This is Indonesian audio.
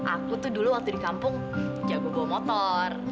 aku tuh dulu waktu di kampung jago bawa motor